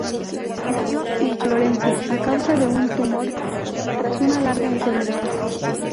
Murió en Florencia, a causa de un tumor, tras, una larga enfermedad.